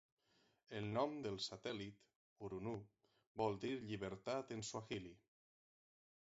El nom del satèl·lit, "Uhuru", vol dir "llibertat" en swahili.